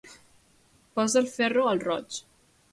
Posa el ferro al roig.